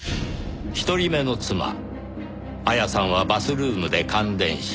１人目の妻亞矢さんはバスルームで感電死。